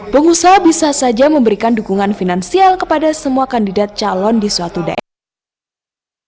pengusaha bisa saja memberikan dukungan finansial kepada semua kandidat calon di suatu daerah